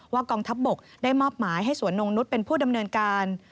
กองทัพบกได้มอบหมายให้สวนนงนุษย์เป็นผู้ดำเนินการ